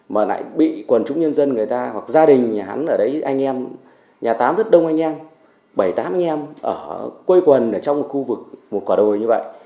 mà lại bị quần chúng nhân dân người ta hoặc gia đình nhà hắn ở đấy anh em nhà tám rất đông anh em bảy tám anh em ở quây quần ở trong một khu vực một quả đồi như vậy